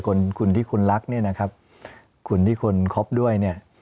คนคุณที่คุณรักเนี่ยนะครับคุณที่คุณคบด้วยเนี่ย